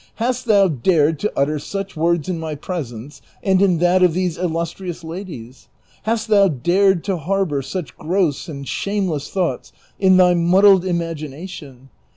Hast thou dared to utter such words in my presence and in that of these illustrious ladies ? Hast thou dared to harbor such gross and shameless thoughts in thy miKldled imagination